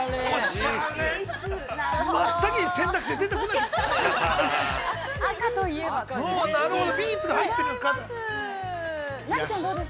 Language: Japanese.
真っ先に選択肢で出てこないです。